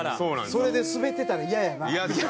それでスベってたらイヤやな。